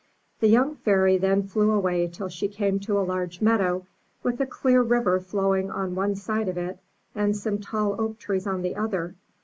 The young Fairy then flew away till she came to a large meadow, with a clear river flowing on one side of it, and some tall oak trees on the other.